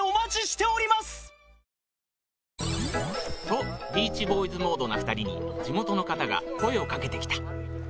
と『ビーチボーイズ』モードな２人に地元の方が声をかけてきた